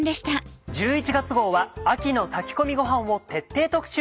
１１月号は「秋の炊き込みごはん」を徹底特集。